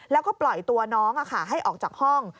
แล้วก็ปล่อยตัวน้องให้ออกจากห้อง